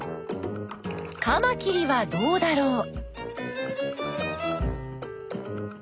カマキリはどうだろう？